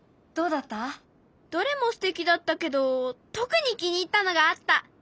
どれもすてきだったけど特に気に入ったのがあった！